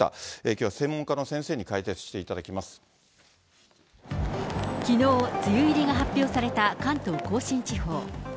きょうは専門家の先生に解説してきのう、梅雨入りが発表された関東甲信地方。